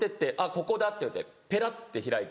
ここだっていってペラって開いて。